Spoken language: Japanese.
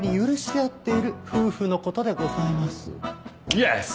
イエス！